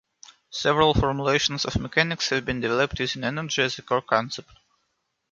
Several formulations of mechanics have been developed using energy as a core concept.